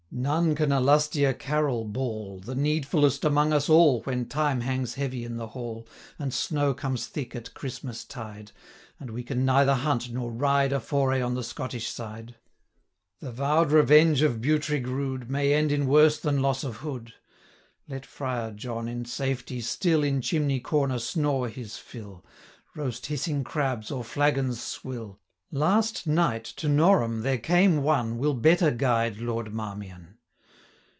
None can a lustier carol bawl, The needfullest among us all, 375 When time hangs heavy in the hall, And snow comes thick at Christmas tide, And we can neither hunt, nor ride A foray on the Scottish side. The vow'd revenge of Bughtrig rude, 380 May end in worse than loss of hood. Let Friar John, in safety, still In chimney corner snore his fill, Roast hissing crabs, or flagons swill: Last night, to Norham there came one, 385 Will better guide Lord Marmion.'